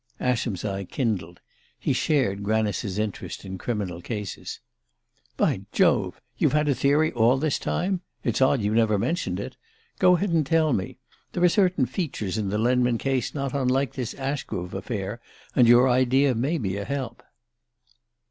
Ascham's eye kindled: he shared Granice's interest in criminal cases. "By Jove! You've had a theory all this time? It's odd you never mentioned it. Go ahead and tell me. There are certain features in the Lenman case not unlike this Ashgrove affair, and your idea may be a help."